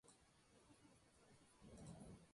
Alcanzó gran prestigio en su carrera militar.